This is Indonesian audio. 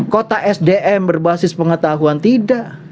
kota sdm berbasis pengetahuan tidak